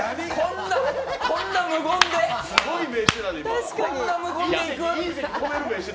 こんな無言で行く！？